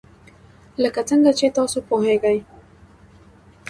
لکه څنګه چې تاسو پوهیږئ.